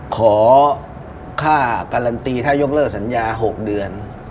ขอค่าการันตีถ้ายกเลิกสัญญา๖เดือน